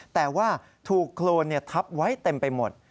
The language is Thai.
แต่ว่าถูกโครนทับไว้เต็มไปหมด